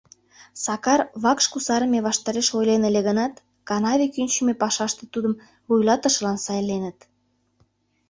Сакар вакш кусарыме ваштареш ойлен ыле гынат, канаве кӱнчымӧ пашаште тудым вуйлатышылан сайленыт.